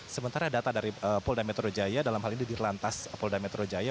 sementara data dari polda metro jaya dalam hal ini di lantas polda metro jaya